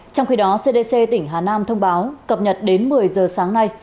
trong khi đó cdc tỉnh hà nam thông báo cập nhật đến một mươi giờ sáng nay